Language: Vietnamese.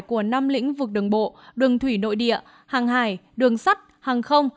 của năm lĩnh vực đường bộ đường thủy nội địa hàng hải đường sắt hàng không